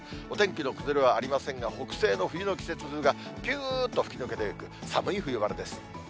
お天気の崩れはありませんが、北西の冬の季節風がぴゅーっと吹き抜けていく、寒い冬晴れです。